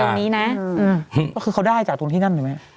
ก็คือเขาได้จากทุนที่นั่นหรือไหม